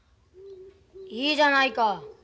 いいじゃないか。